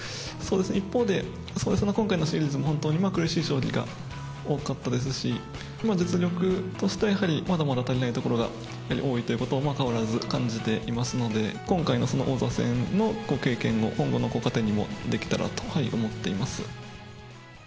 一方で、今回のシリーズも本当に苦しい将棋が多かったですし、実力としては、やはりまだまだ足りないところが多いということは変わらず感じていますので、今回のその王座戦の経験を今後の糧にもできたらと思っています。